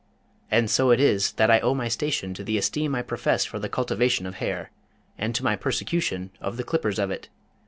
And so it is that I owe my station to the esteem I profess for the cultivation of hair, and to my persecution of the clippers of it.